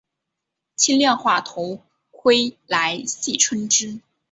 轻量化头盔来戏称之。